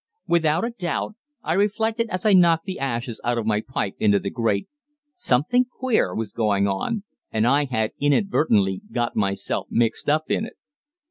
Without a doubt, I reflected as I knocked the ashes out of my pipe into the grate, something "queer" was going on, and I had inadvertently got myself mixed up in it.